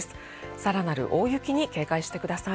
さらなる大雪に注意してください。